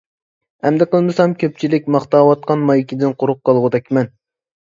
ئەمدى قىلمىسام كۆپچىلىك ماختاۋاتقان مايكىدىن قۇرۇق قالغۇدەكمەن.